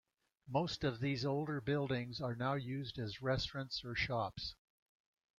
Most of these older buildings are now used as restaurants or shops.